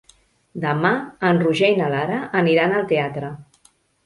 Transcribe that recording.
Demà en Roger i na Lara aniran al teatre.